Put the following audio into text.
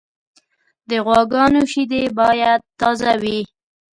د غواګانو شیدې باید تازه وي.